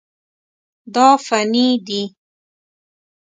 دا فني دي.